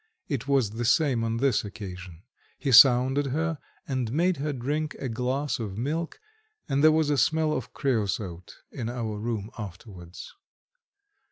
It was the same on this occasion. He sounded her and made her drink a glass of milk, and there was a smell of creosote in our room afterwards.